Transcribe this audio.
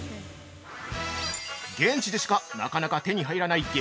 現地でしか、なかなか手に入らない激